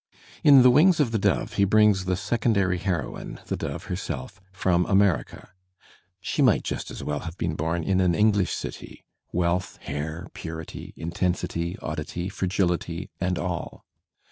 In "The Wings of the Dove'* he brings the secondary heroine, the dove herself, from America. She might just Digitized by Google HENRY JAMES 327 as well have been bom in an English city — wealth, hair, purity, intensity, oddity, fragility and all.